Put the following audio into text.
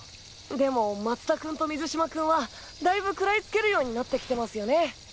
でも松田君と水嶋君はだいぶ食らいつけるようになってきてますよね。